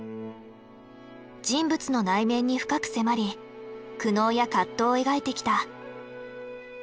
人物の内面に深く迫り苦悩や葛藤を描いてきた。